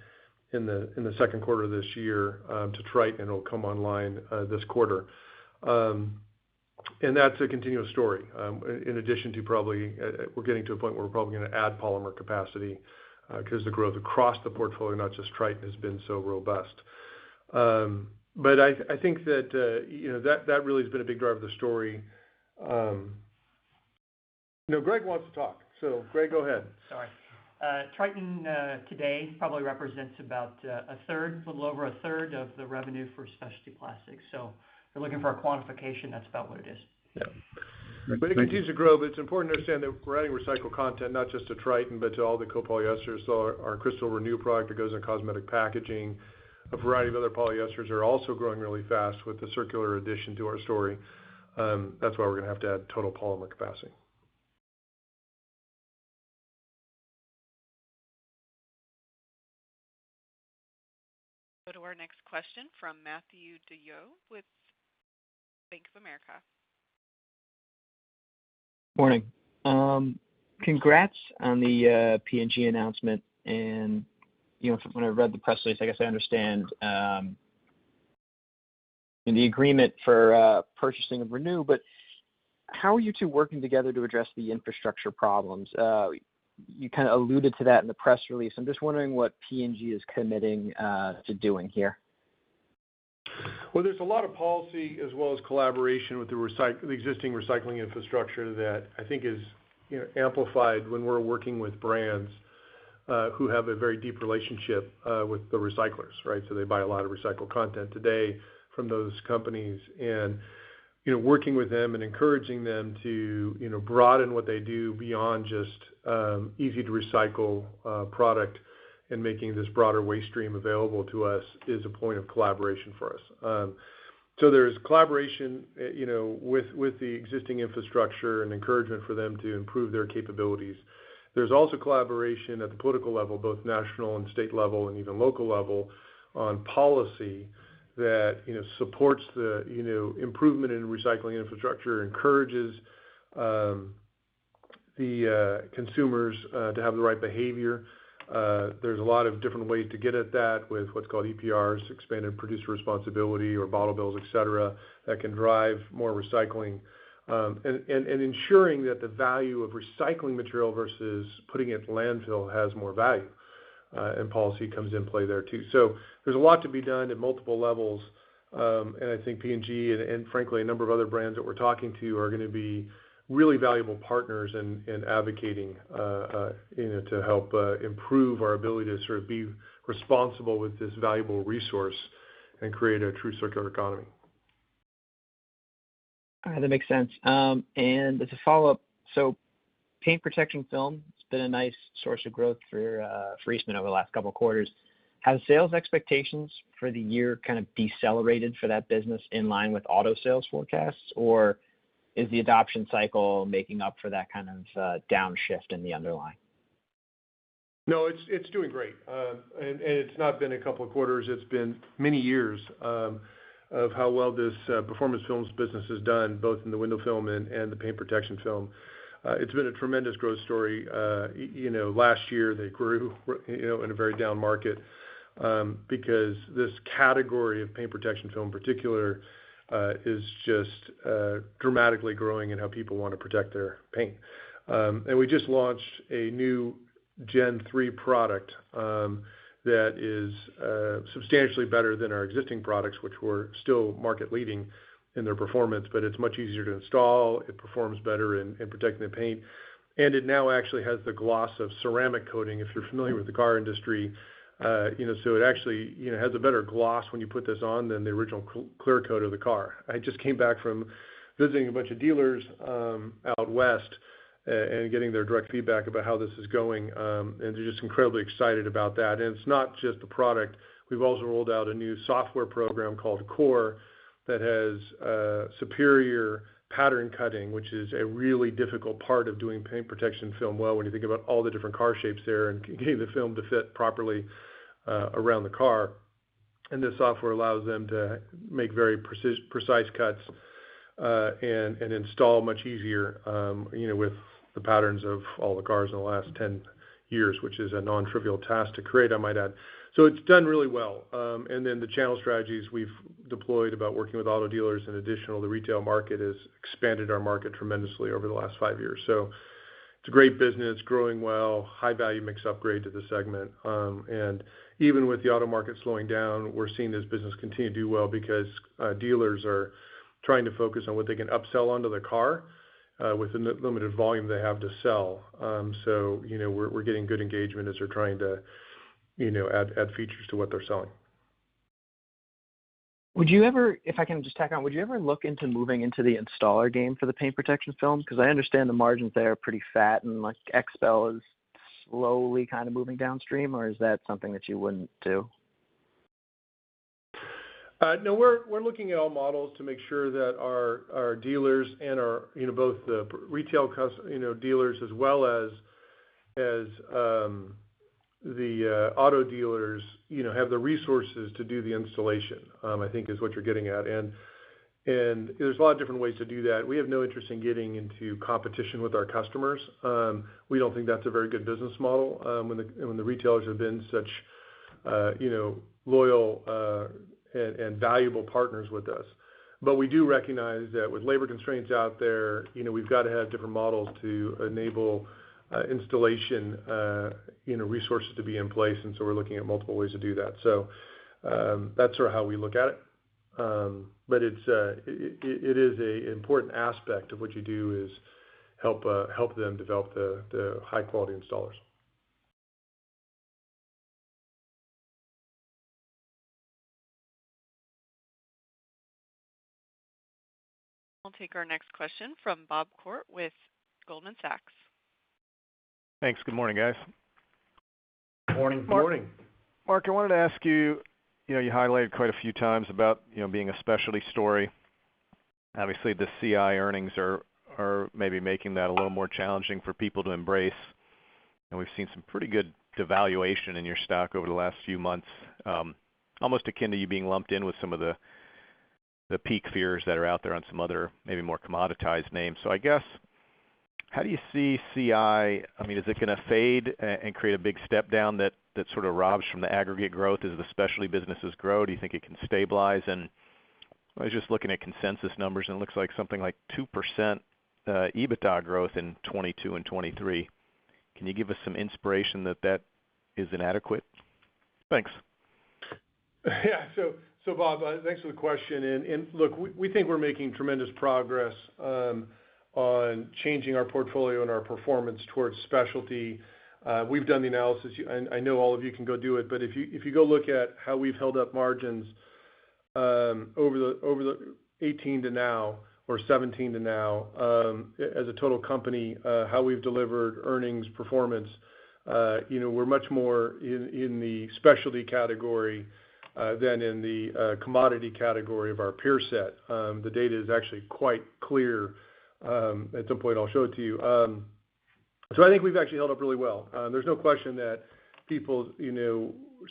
D: in the second quarter of this year to Tritan. It'll come online this quarter. That's a continuous story. In addition, we're getting to a point where we're probably going to add polymer capacity because the growth across the portfolio, not just Tritan, has been so robust. I think that really has been a big driver of the story. No, Greg wants to talk, so Greg, go ahead.
B: Sorry. Tritan today probably represents about a little over a third of the revenue for Specialty Plastics. If you're looking for a quantification, that's about what it is.
D: Yeah. It continues to grow, but it's important to understand that we're adding recycled content, not just to Tritan, but to all the copolyesters. Our Cristal Renew product that goes in cosmetic packaging, a variety of other polyesters are also growing really fast with the circular addition to our story. That's why we're going to have to add total polymer capacity.
A: Go to our next question from Matthew DeYoe with Bank of America.
M: Morning. Congrats on the P&G announcement. When I read the press release, I guess I understand in the agreement for purchasing of Renew, but how are you two working together to address the infrastructure problems? You kind of alluded to that in the press release. I'm just wondering what P&G is committing to doing here?
D: Well, there's a lot of policy as well as collaboration with the existing recycling infrastructure that I think is amplified when we're working with brands who have a very deep relationship with the recyclers, right? They buy a lot of recycled content today from those companies, and working with them and encouraging them to broaden what they do beyond just easy-to-recycle product and making this broader waste stream available to us is a point of collaboration for us. There's collaboration with the existing infrastructure and encouragement for them to improve their capabilities. There's also collaboration at the political level, both national and state level, and even local level, on policy that supports the improvement in recycling infrastructure, encourages the consumers to have the right behavior. There's a lot of different ways to get at that with what's called EPRs, expanded producer responsibility or bottle bills, et cetera, that can drive more recycling. Ensuring that the value of recycling material versus putting it to landfill has more value, and policy comes into play there, too. There's a lot to be done at multiple levels. I think P&G and frankly, a number of other brands that we're talking to are going to be really valuable partners in advocating to help improve our ability to sort of be responsible with this valuable resource and create a true circular economy.
M: All right. That makes sense. As a follow-up, paint protection film, it's been a nice source of growth for Eastman over the last couple of quarters. Have sales expectations for the year kind of decelerated for that business in line with auto sales forecasts? Or is the adoption cycle making up for that kind of downshift in the underlying?
D: No, it's doing great. It's not been a couple of quarters, it's been many years of how well this Performance Films business has done, both in the window film and the paint protection film. It's been a tremendous growth story. Last year they grew in a very down market, because this category of paint protection film particular, is just dramatically growing in how people want to protect their paint. We just launched a new Gen 3 product, that is substantially better than our existing products, which were still market leading in their performance, but it's much easier to install. It performs better in protecting the paint. It now actually has the gloss of ceramic coating, if you're familiar with the car industry. It actually has a better gloss when you put this on than the original clear coat of the car. I just came back from visiting a bunch of dealers out west, and getting their direct feedback about how this is going. They're just incredibly excited about that. It's not just the product. We've also rolled out a new software program called Core that has superior pattern cutting, which is a really difficult part of doing paint protection film well, when you think about all the different car shapes there and getting the film to fit properly around the car. This software allows them to make very precise cuts, and install much easier, with the patterns of all the cars in the last 10 years, which is a nontrivial task to create, I might add. It's done really well. The channel strategies we've deployed about working with auto dealers and additional, the retail market has expanded our market tremendously over the last five years. It's a great business, growing well, high value mix upgrade to the segment. Even with the auto market slowing down, we're seeing this business continue to do well because dealers are trying to focus on what they can upsell onto their car, within the limited volume they have to sell. We're getting good engagement as they're trying to add features to what they're selling.
M: If I can just tack on, would you ever look into moving into the installer game for the paint protection film? I understand the margins there are pretty fat and like XPEL is slowly kind of moving downstream, or is that something that you wouldn't do?
D: No, we're looking at all models to make sure that our dealers and our both the retail dealers as well as the auto dealers have the resources to do the installation, I think is what you're getting at. There's a lot of different ways to do that. We have no interest in getting into competition with our customers. We don't think that's a very good business model, when the retailers have been such loyal and valuable partners with us. We do recognize that with labor constraints out there, we've got to have different models to enable installation resources to be in place. We're looking at multiple ways to do that. That's sort of how we look at it. It is a important aspect of what you do is help them develop the high quality installers.
A: I'll take our next question from Bob Koort with Goldman Sachs.
N: Thanks. Good morning, guys.
D: Morning.
F: Morning.
N: Mark, I wanted to ask you highlighted quite a few times about being a specialty story. Obviously, the CI earnings are maybe making that a little more challenging for people to embrace. We've seen some pretty good devaluation in your stock over the last few months. Almost akin to you being lumped in with some of the peak fears that are out there on some other maybe more commoditized names. I guess, how do you see CI? Is it going to fade and create a big step down that sort of robs from the aggregate growth as the specialty businesses grow? Do you think it can stabilize? I was just looking at consensus numbers, and it looks like something like 2% EBITDA growth in 2022 and 2023. Can you give us some inspiration that that is inadequate? Thanks.
D: Yeah. Bob, thanks for the question. Look, we think we're making tremendous progress on changing our portfolio and our performance towards specialty. We've done the analysis, and I know all of you can go do it, but if you go look at how we've held up margins over the 2018 to now or 2017 to now, as a total company, how we've delivered earnings performance, we're much more in the specialty category than in the commodity category of our peer set. The data is actually quite clear. At some point I'll show it to you. I think we've actually held up really well. There's no question that people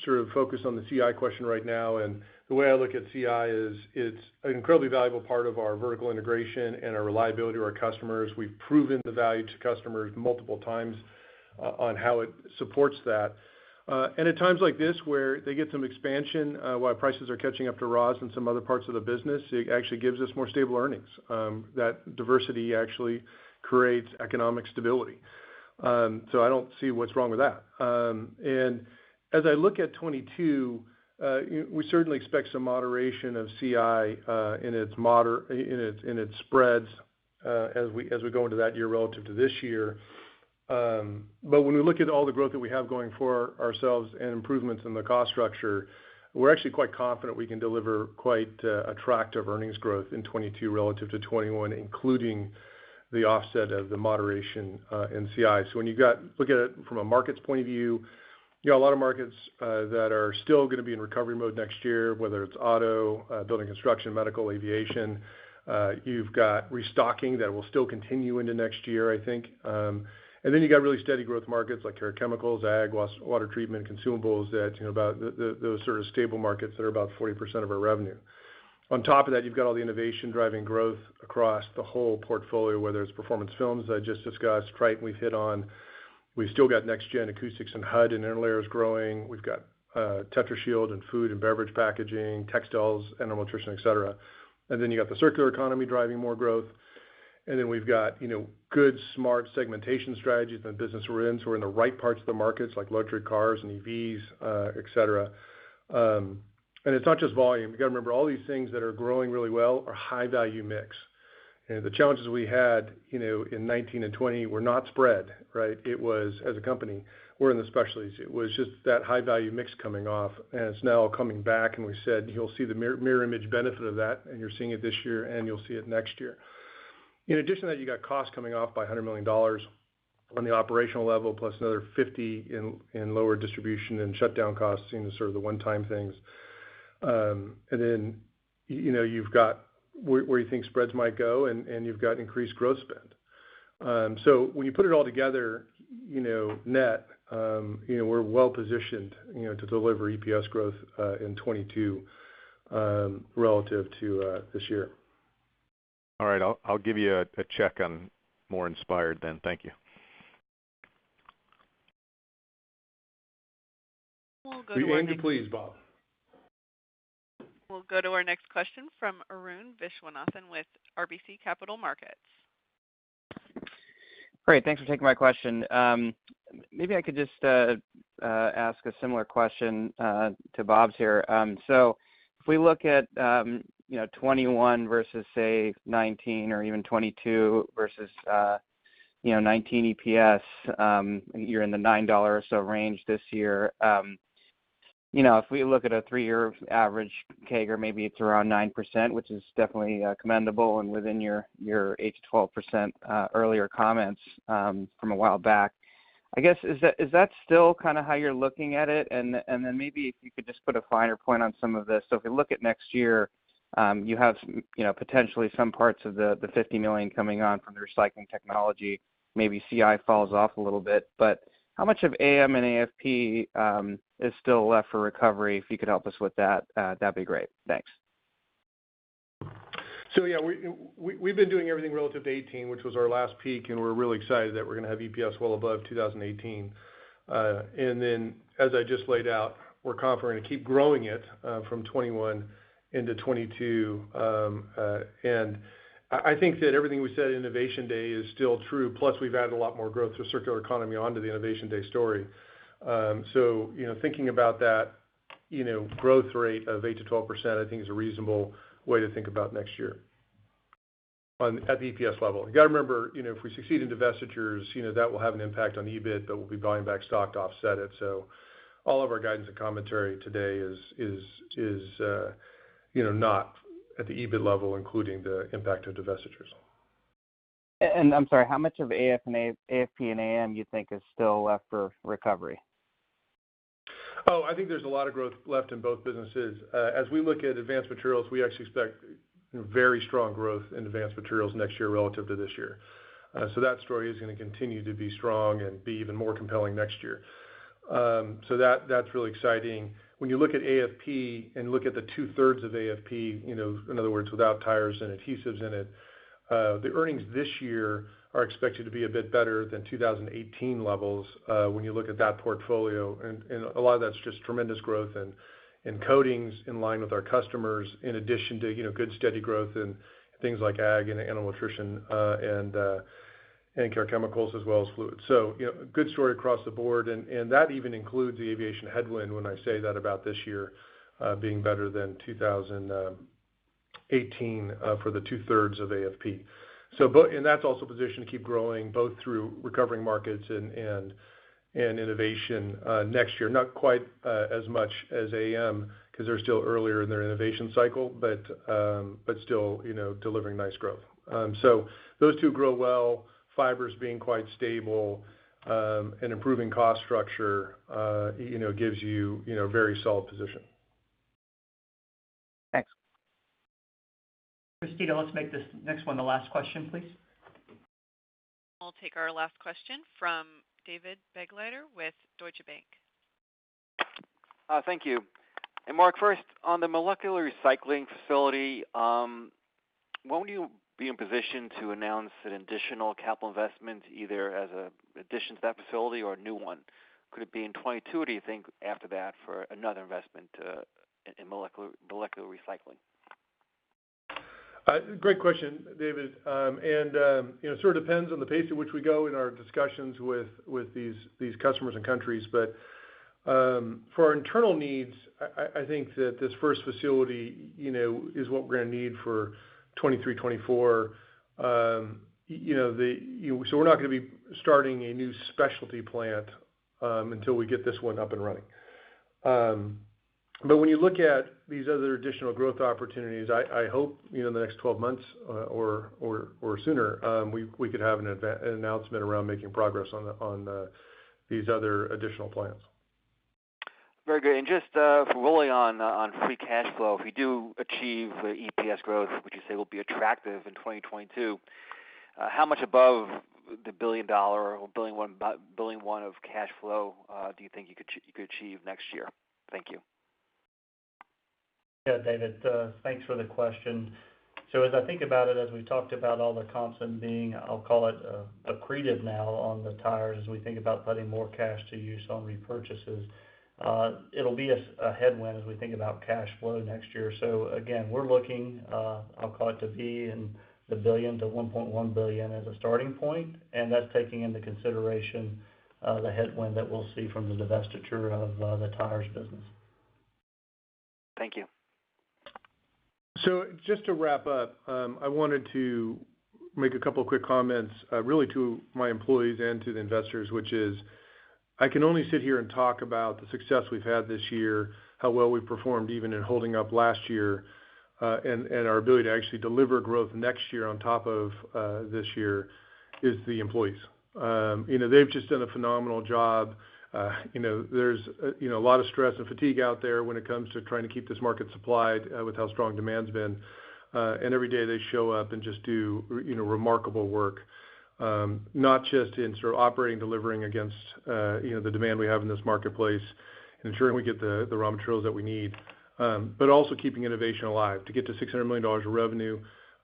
D: sort of focus on the CI question right now, and the way I look at CI is it's an incredibly valuable part of our vertical integration and our reliability to our customers. We've proven the value to customers multiple times on how it supports that. At times like this where they get some expansion while prices are catching up to raw materials in some other parts of the business, it actually gives us more stable earnings. That diversity actually creates economic stability. I don't see what's wrong with that. As I look at 2022, we certainly expect some moderation of CI in its spreads as we go into that year relative to this year. When we look at all the growth that we have going for ourselves and improvements in the cost structure, we're actually quite confident we can deliver quite attractive earnings growth in 2022 relative to 2021, including the offset of the moderation in CI. When you look at it from a markets point of view, a lot of markets that are still going to be in recovery mode next year, whether it's auto, building construction, medical, aviation. You've got restocking that will still continue into next year, I think. Then you've got really steady growth markets like care chemicals, ag, water treatment, consumables, those sort of stable markets that are about 40% of our revenue. On top of that, you've got all the innovation driving growth across the whole portfolio, whether it's performance films that I just discussed, Tritan we've hit on. We've still got next gen acoustics and HUD and interlayers growing. We've got Tetrashield and food and beverage packaging, textiles, animal nutrition, et cetera. Then you've got the circular economy driving more growth. Then we've got good, smart segmentation strategies in the business we're in. We're in the right parts of the markets, like electric cars and EVs, et cetera. It's not just volume. You got to remember all these things that are growing really well are high value mix. The challenges we had in 2019 and 2020 were not spread, right? It was as a company, we're in the specialties. It was just that high value mix coming off, and it's now coming back, and we said you'll see the mirror image benefit of that, and you're seeing it this year, and you'll see it next year. In addition to that, you got costs coming off by $100 million on the operational level, plus another $50 million in lower distribution and shutdown costs, the sort of the one time things. You've got where you think spreads might go, and you've got increased growth spend. When you put it all together net, we're well positioned to deliver EPS growth in 2022 relative to this year.
N: All right. I'll give you a check on more inspired then. Thank you.
D: Please, Bob.
A: We'll go to our next question from Arun Viswanathan with RBC Capital Markets.
O: Great. Thanks for taking my question. Maybe I could just ask a similar question to Bob's here. If we look at 2021 versus say 2019 or even 2022 versus 2019 EPS, you're in the $9 or so range this year. If we look at a three-year average CAGR, maybe it's around 9%, which is definitely commendable and within your 8%-12% earlier comments from a while back. I guess, is that still kind of how you're looking at it? Maybe if you could just put a finer point on some of this. If we look at next year, you have potentially some parts of the $50 million coming on from the recycling technology. Maybe CI falls off a little bit, but how much of AM and AFP is still left for recovery? If you could help us with that'd be great? Thanks.
D: Yeah, we've been doing everything relative to 2018, which was our last peak, and we're really excited that we're going to have EPS well above 2018. As I just laid out, we're confident we're going to keep growing it from 2021 into 2022. I think that everything we said at Innovation Day is still true. Plus, we've added a lot more growth through circular economy onto the Innovation Day story. Thinking about that growth rate of 8%-12%, I think is a reasonable way to think about next year at the EPS level. You got to remember, if we succeed in divestitures, that will have an impact on EBIT, but we'll be buying back stock to offset it. All of our guidance and commentary today is not at the EBIT level, including the impact of divestitures.
O: I'm sorry, how much of AFP and AM you think is still left for recovery?
D: I think there's a lot of growth left in both businesses. As we look at advanced materials, we actually expect very strong growth in advanced materials next year relative to this year. That story is going to continue to be strong and be even more compelling next year. That's really exciting. When you look at AFP and look at the 2/3 of AFP, in other words, without tires and adhesives in it, the earnings this year are expected to be a bit better than 2018 levels when you look at that portfolio, and a lot of that's just tremendous growth in coatings in line with our customers, in addition to good steady growth in things like ag and animal nutrition and care chemicals as well as fluids. Good story across the board. That even includes the aviation headwind when I say that about this year being better than 2018 for the 2/3 of AFP. That's also positioned to keep growing both through recovering markets and innovation next year. Not quite as much as AM because they're still earlier in their innovation cycle, but still delivering nice growth. Those two grow well. Fiber's being quite stable, and improving cost structure gives you very solid position.
O: Thanks.
B: Christina, let's make this next one the last question, please.
A: I'll take our last question from David Begleiter with Deutsche Bank.
P: Thank you. Mark, first, on the molecular recycling facility, when will you be in position to announce an additional capital investment, either as an addition to that facility or a new one? Could it be in 2022, or do you think after that for another investment in molecular recycling?
D: Great question, David. It sort of depends on the pace at which we go in our discussions with these customers and countries. For our internal needs, I think that this first facility is what we're going to need for 2023, 2024. We're not going to be starting a new specialty plant until we get this one up and running. When you look at these other additional growth opportunities, I hope in the next 12 months or sooner, we could have an announcement around making progress on these other additional plants.
P: Very good. Just for Willie on free cash flow, if we do achieve the EPS growth, which you say will be attractive in 2022, how much above the $1 billion or $1.1 billion of cash flow do you think you could achieve next year? Thank you.
F: Yeah, David. Thanks for the question. As I think about it, as we talked about all the comps and being, I'll call it accretive now on the tires, as we think about putting more cash to use on repurchases, it'll be a headwind as we think about cash flow next year. Again, we're looking, I'll call it to be in the $1 billion-$1.1 billion as a starting point, and that's taking into consideration the headwind that we'll see from the divestiture of the tires business.
P: Thank you.
D: Just to wrap up, I wanted to make a couple of quick comments, really to my employees and to the investors, which is, I can only sit here and talk about the success we've had this year, how well we've performed even in holding up last year, and our ability to actually deliver growth next year on top of this year, is the employees. They've just done a phenomenal job. There's a lot of stress and fatigue out there when it comes to trying to keep this market supplied with how strong demand's been. Every day they show up and just do remarkable work. Not just in sort of operating, delivering against the demand we have in this marketplace, ensuring we get the raw materials that we need. Also keeping innovation alive. To get to $600 million of revenue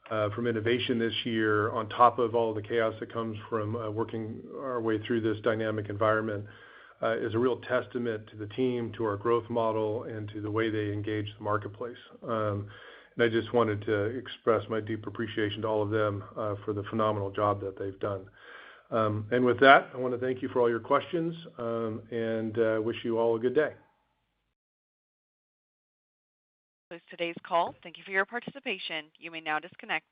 D: from innovation this year on top of all the chaos that comes from working our way through this dynamic environment is a real testament to the team, to our growth model, and to the way they engage the marketplace. I just wanted to express my deep appreciation to all of them for the phenomenal job that they've done. With that, I want to thank you for all your questions, and wish you all a good day.
A: That's today's call. Thank you for your participation. You may now disconnect.